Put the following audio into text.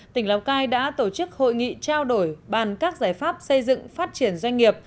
tỉnh lào cai đã tổ chức hội nghị trao đổi bàn các giải pháp xây dựng phát triển doanh nghiệp